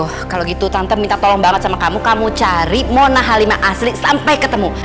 oh kalau gitu tante minta tolong banget sama kamu kamu cari mona halima asli sampai ketemu